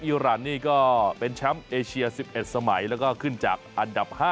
อรันนี่ก็เป็นแชมป์เอเชีย๑๑สมัยแล้วก็ขึ้นจากอันดับ๕